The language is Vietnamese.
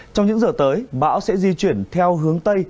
trong những giờ tới bão sẽ di chuyển theo hướng tây